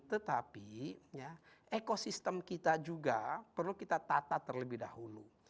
tetapi ekosistem kita juga perlu kita tata terlebih dahulu